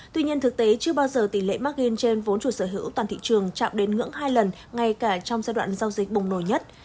tuy nhiên thực tế chưa bao giờ tỷ lệ markin trên vốn chủ sở hữu toàn thị trường chạm đến ngưỡng hai lần ngay cả trong giai đoạn giao dịch bùng nổi nhất